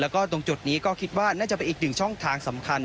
แล้วก็ตรงจุดนี้ก็คิดว่าน่าจะเป็นอีกหนึ่งช่องทางสำคัญ